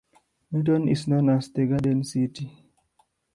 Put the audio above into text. Newton is known as "The Garden City".